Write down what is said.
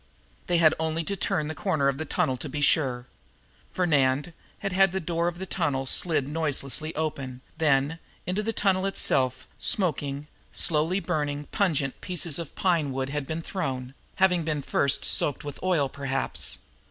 They had only to turn the corner of the tunnel to be sure. Fernand had had the door of the tunnel slid noiselessly open, then, into the tunnel itself, smoking, slowly burning, pungent pieces of pine wood had been thrown, having been first soaked in oil, perhaps.